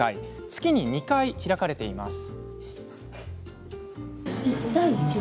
月に２回開かれています。